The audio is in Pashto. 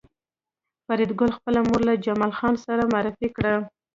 فریدګل خپله مور له جمال خان سره معرفي کړه